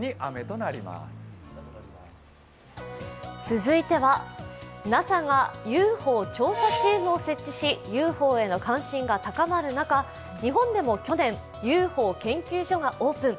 続いてはＮＡＳＡがＵＦＯ調査チームを設置しＵＦＯへの関心が高まる中、日本でも去年、ＵＦＯ研究所がオープン。